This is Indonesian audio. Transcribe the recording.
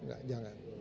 enggak enggak jangan